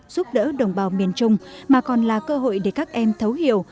giúp đỡ đồng bào miền trung mà còn là cơ hội để các em thấu hiểu